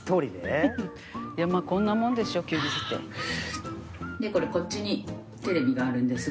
「いやまあこんなもんでしょう休日って」でこっちにテレビがあるんですが。